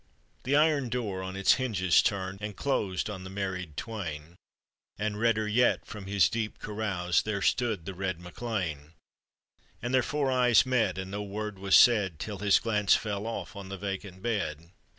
The iron door on its hinges turned And closed on the married twain, Arid redder yet from his deep carouse There stood the red MacLean; And their four eyes met, and no word was said Till his glance fell off on the vacant bed.